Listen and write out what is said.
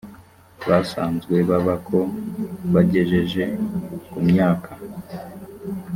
basanzwe baba ko bagejeje ku myaka